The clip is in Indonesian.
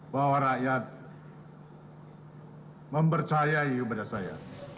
bahwa rakyat mempercayai kepada saya